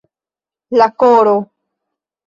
La koro.